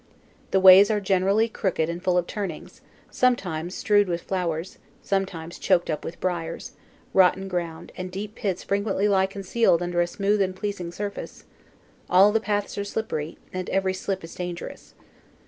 The ways are generally crooked and full of turnings, sometimes strewed with flowers, sometimes choked up with briars; rotten ground and deep pits frequently lie concealed under a smooth and pleasing surface; all the paths are slippery, and every slip is dangerous.